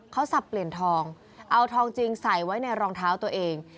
เขาสับเปลี่ยนทองเอาทองจริงใส่ไว้ในรองเท้าตัวเอง